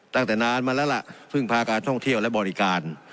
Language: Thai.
ตั้งแต่นานมาแล้วล่ะเพิ่งพาการท่องเที่ยวและบริการ